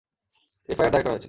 FIR দায়ের করা হয়েছে।